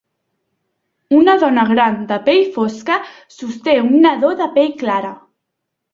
Una dona gran de pell fosca sosté un nadó de pell clara.